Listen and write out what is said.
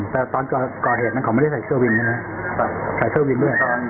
แต่ตอนก่อเหตุนั้นเขาไม่ได้ใส่เครื่องวิน